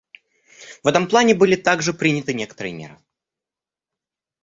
В этом плане были также приняты некоторые меры.